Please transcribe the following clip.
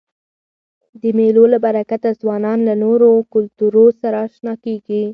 د مېلو له برکته ځوانان له نورو کلتورو سره اشنا کيږي.